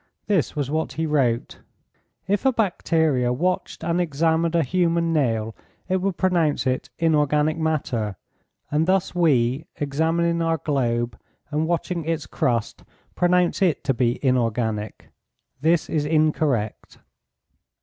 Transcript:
This was what he wrote: "If a bacteria watched and examined a human nail it would pronounce it inorganic matter, and thus we, examining our globe and watching its crust, pronounce it to be inorganic. This is incorrect."